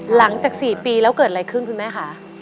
หลังจาก๔ปีแล้วเกิดอะไรขึ้นคุณแม่คะ